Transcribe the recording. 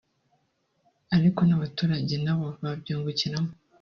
ariko n’abaturage nabo babyungukiramo